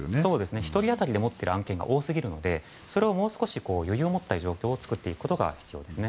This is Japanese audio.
１人当たりの案件が多すぎるのでそれをもう少し余裕を持った状況を作ることが必要です。